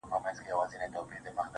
زه ومه ويده اكثر.